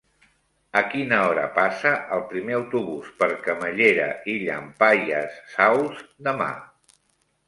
A quina hora passa el primer autobús per Camallera i Llampaies Saus demà?